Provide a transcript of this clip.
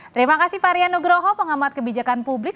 terima kasih fahrian nugroho pengamat kebijakan publik